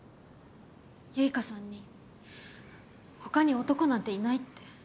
結花さんに他に男なんていないって。